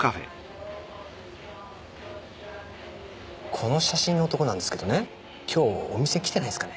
この写真の男なんですけどね今日お店来てないですかね？